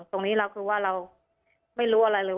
ตรงนี้เราคือว่าเราไม่รู้อะไรเลย